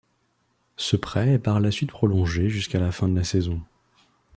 Ce prêt est par la suite prolongé jusqu'à la fin de la saison.